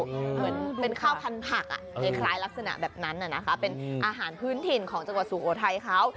เหมือนเป็นข้าวพันธุ์ผักคล้ายลักษณะแบบนั้นเป็นอาหารพื้นถิ่นของจังหวัดสุโขทัยเขา